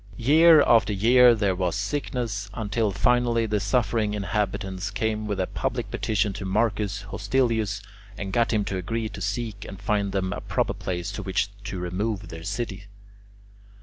Year after year there was sickness, until finally the suffering inhabitants came with a public petition to Marcus Hostilius and got him to agree to seek and find them a proper place to which to remove their city.